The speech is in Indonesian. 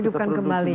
hidupkan kembali ya